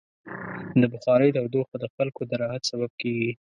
د بخارۍ تودوخه د خلکو د راحت سبب کېږي.